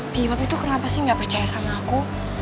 pih papi tuh kenapa sih gak percaya sama aku